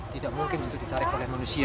tidak mungkin untuk ditarik oleh manusia